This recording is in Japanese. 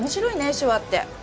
手話って。